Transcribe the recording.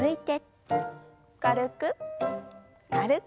軽く軽く。